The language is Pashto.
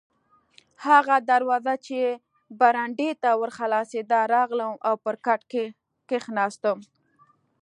هغه دروازه چې برنډې ته ور خلاصېده، راغلم او پر کټ کښېناستم.